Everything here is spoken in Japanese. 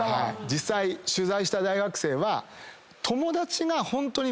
実際取材した大学生は。